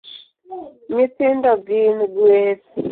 Nyithindo gin gweth